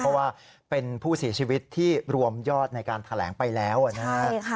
เพราะว่าเป็นผู้เสียชีวิตที่รวมยอดในการแถลงไปแล้วนะครับ